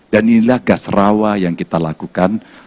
dan inilah gas rawa yang kita lakukan